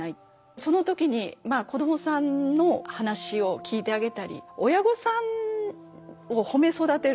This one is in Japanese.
その時に子どもさんの話を聞いてあげたり親御さんを褒め育てる。